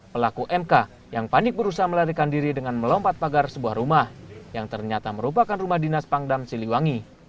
pelaku mk yang panik berusaha melarikan diri dengan melompat pagar sebuah rumah yang ternyata merupakan rumah dinas pangdam siliwangi